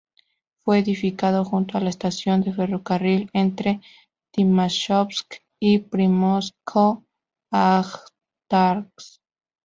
Fue edificado junto a la estación de ferrocarril entre Timashovsk y Primorsko-Ajtarsk.